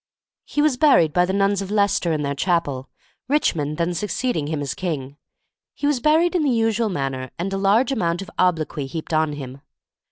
He was buried by the nuns of Leicester in their chapel, Richmond then succeeding him as king. He was buried in the usual manner, and a large amount of obloquy heaped on him.